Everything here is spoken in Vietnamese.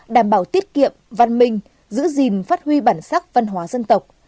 đảm bảo tiết kiệm văn minh giữ gìn phát huy bản sắc văn hóa dân tộc